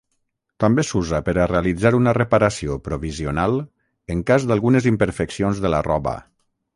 També s'usa per a realitzar una reparació provisional en cas d'algunes imperfeccions de la roba.